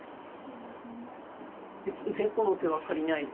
別に猫の手は借りないで。